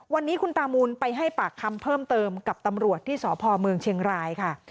วันนี้คุณตามูนไปให้ปากคำเพิ่มเติมกับตำรวจที่สพเมืองเชียงรายค่ะ